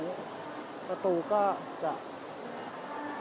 เดี๋ยวจะให้ดูว่าค่ายมิซูบิชิเป็นอะไรนะคะ